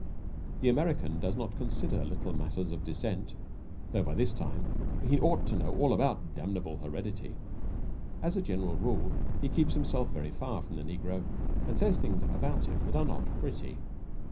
The American does not consider little matters of descent, though by this time he ought to know all about "damnable heredity." As a general rule he keeps himself very far from the negro, and says things about him that are not pretty.